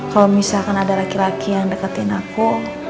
kalau misalkan ada laki laki yang deketin aku